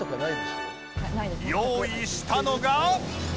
用意したのが